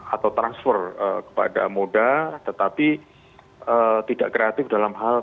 atau transfer kepada moda tetapi tidak kreatif dalam hal